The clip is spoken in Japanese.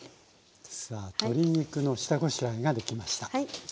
さあ鶏肉の下ごしらえができました。